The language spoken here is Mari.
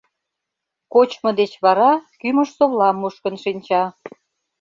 — Кочмо деч вара кӱмыж-совлам мушкын шинча.